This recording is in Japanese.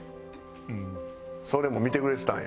それも見てくれてたんや。